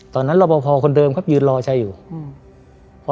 ตอนนั้นรอบพอคนเดิมครับยืนรอชัยอยู่อืม